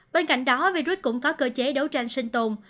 bên cạnh đó virus cũng có cơ chế đấu tranh sinh tồn